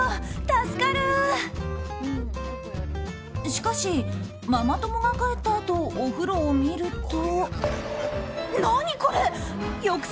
しかし、ママ友が帰ったあとお風呂を見ると。